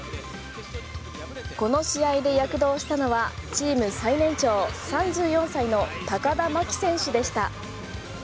この試合で躍動したのはチーム最年長、３４歳の高田真希選手でした。